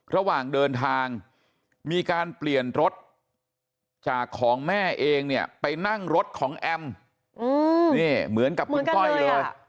ระหว่างเดินทางมีการเปลี่ยนรถจากของแม่เองเนี่ยไปนั่งรถของแอมนี่เหมือนกับคุณก้อยเลย